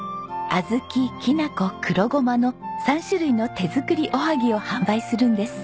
あずききなこ黒ごまの３種類の手作りおはぎを販売するんです。